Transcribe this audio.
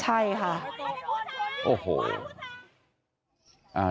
ใช่ค่ะ